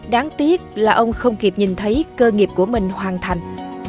đáng tiếc là ông không kịp nhìn thấy cơ nghiệp của mình hoàn thành